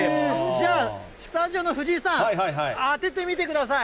じゃあ、スタジオの藤井さん、当ててみてください。